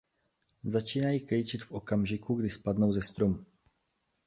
Začínají klíčit v okamžiku, kdy spadnou ze stromu.